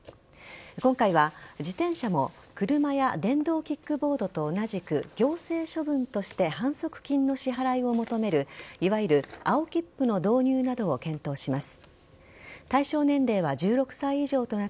今回は、自転車も車や電動キックボードと同じく行政処分として反則金の支払いを求めるいわゆる青切符の導入などを検討します。